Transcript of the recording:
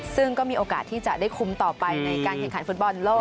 ซึ่งก็มีโอกาสที่จะได้คุ้มต่อไปในการแข่งขันฟุตบอลโลก